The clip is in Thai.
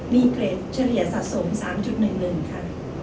มีเกรดเฉลี่ยสะสม๓๑๑ค่ะ